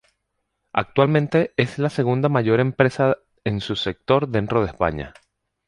Actualmente es la segunda mayor empresa en su sector dentro de España.